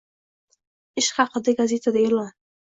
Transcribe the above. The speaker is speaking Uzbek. Ish haqida gazetada e'lon